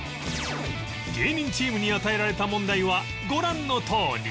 芸人チームに与えられた問題はご覧のとおり